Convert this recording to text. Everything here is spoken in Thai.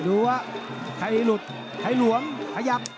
ดูว่าใครหลุดใครหลวมขยับ